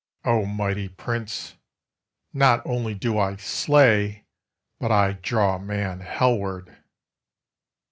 O, mighty Prince, not only do I slay, But I draw Man hellward."